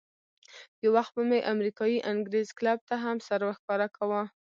یو وخت به مې امریکایي انګرېز کلب ته هم سر ورښکاره کاوه.